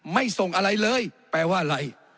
ไม่ส่งอะไรเลยแปลว่าอะไร